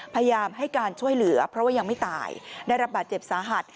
พยายามให้การช่วยเหลือเพราะว่ายังไม่ตายได้รับบาดเจ็บสาหัส